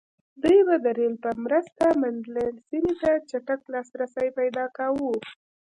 دوی به د رېل په مرسته منډلینډ سیمې ته چټک لاسرسی پیدا کاوه.